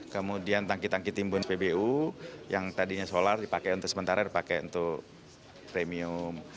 kemudian tangki tangki timbun spbu yang tadinya solar dipakai untuk sementara dipakai untuk premium